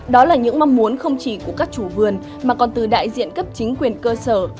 đó là những mong muốn không chỉ của các chủ vườn mà còn từ đại diện cấp chính quyền cơ sở